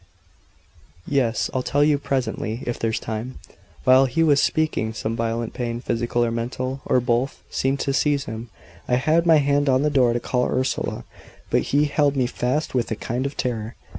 "Yes. I'll tell you presently if there's time." While he was speaking some violent pain physical or mental, or both seemed to seize him. I had my hand on the door to call Ursula, but he held me fast with a kind of terror.